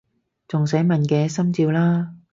仲使問嘅！心照啦！